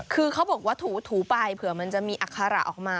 คือเขาบอกว่าถูไปเผื่อมันจะมีอัคระออกมา